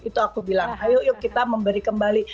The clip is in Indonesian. itu aku bilang ayo yuk kita memberi kembali